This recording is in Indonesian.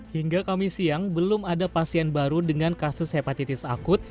hingga kami siang belum ada pasien baru dengan kasus hepatitis akut